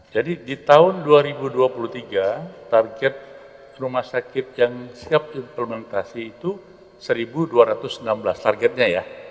jadi di tahun dua ribu dua puluh tiga target rumah sakit yang siap diimplementasi itu satu dua ratus enam belas targetnya ya